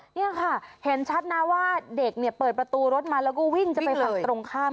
นี่ค่ะเห็นชัดนะว่าเด็กเนี่ยเปิดประตูรถมาแล้วก็วิ่งจะไปฝั่งตรงข้าม